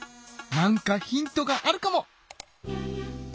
なんかヒントがあるかも！